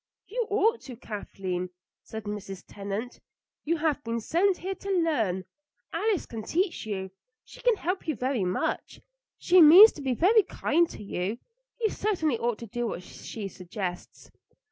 "You ought to, Kathleen," said Mrs. Tennant. "You have been sent here to learn. Alice can teach you; she can help you very much. She means to be very kind to you. You certainly ought to do what she suggests."